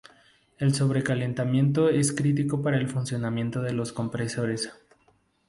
El sobrecalentamiento es crítico para el funcionamiento de los compresores.